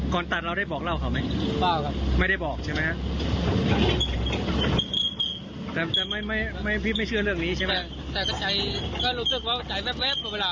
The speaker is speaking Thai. ก่อนตัดเราได้บอกเล่าเขาไหมไม่ได้บอกใช่ไหมแต่พี่ไม่เชื่อเรื่องนี้ใช่ไหม